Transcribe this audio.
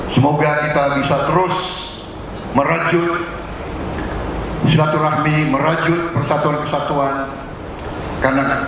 saya berterima kasih kepada anda